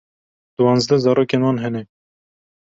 Diwanzdeh zarokên wan hene.